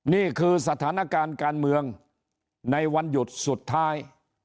นี่คือสถานการณ์การเมืองในวันหยุดสุดท้าย